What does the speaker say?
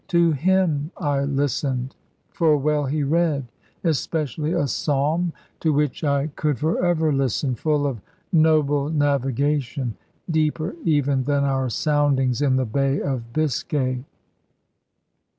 To him I listened (for well he read), especially a psalm to which I could for ever listen, full of noble navigation, deeper even than our soundings in the Bay of Biscay.